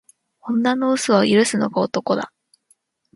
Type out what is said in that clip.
女の嘘は許すのが男だ。